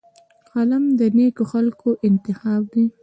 قلم د نیکو خلکو انتخاب دی